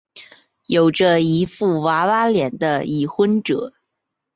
有着一副娃娃脸的已婚者。